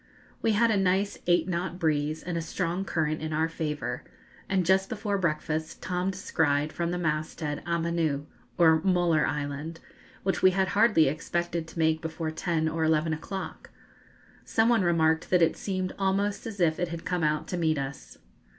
We had a nice eight knot breeze and a strong current in our favour, and just before breakfast Tom descried from the masthead Amanu, or Möller Island, which we had hardly expected to make before ten or eleven o'clock. Some one remarked that it seemed almost as if it had come out to meet us.